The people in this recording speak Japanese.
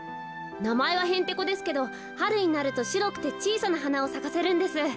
なまえはへんてこですけどはるになるとしろくてちいさなはなをさかせるんです。